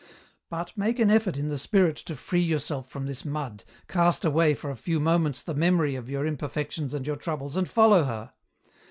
" But make an effort in the spirit to free yourself from this mud, cast away for a few moments the memory of your im perfections and your troubles, and follow her.